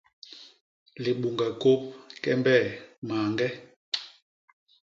Libuñge kôp, kembe, mañge.